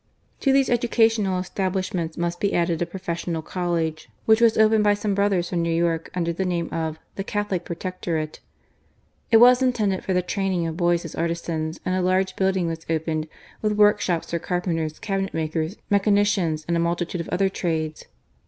To these educational establishments must be added a professional College, which was opened by some Brothers from New York, under the name of "The Catholic Protectorate." It was intended for the training of boys as artisans, and a large building was opened, with workshops for carpenters, cabinet makers, mechanicians, and a multitude of other trades.